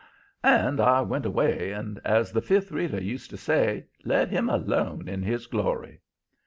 "And I went away and, as the Fifth Reader used to say, 'let him alone in his glory.'